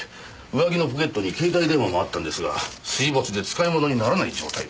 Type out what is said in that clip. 上着のポケットに携帯電話もあったんですが水没で使い物にならない状態でした。